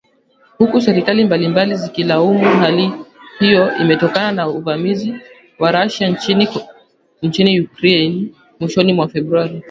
huku serikali mbalimbali zikilaumu hali hiyo imetokana na uvamizi wa Russia nchini Ukraine mwishoni mwa Februari